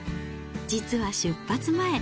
実は出発前。